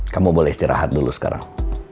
kamu boleh istirahat dulu sekarang